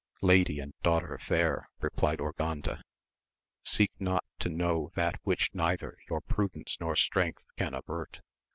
Lady and daughter fair, replied Urganda^ seek not to know that which neither your prudence nor strength can avert.